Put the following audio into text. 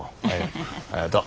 ありがとう。